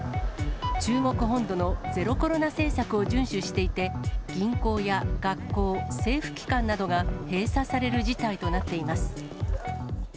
中国本土のゼロコロナ政策を順守していて、銀行や学校、政府機関などが閉鎖される事態となっています。